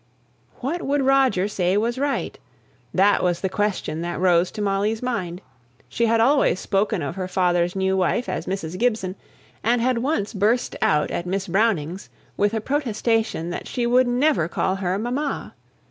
What would Roger say was right? that was the question that rose to Molly's mind. She had always spoken of her father's new wife as Mrs. Gibson, and had once burst out at Miss Brownings with a protestation that she never would call her "mamma."